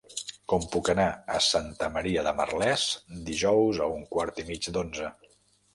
Com puc anar a Santa Maria de Merlès dijous a un quart i mig d'onze?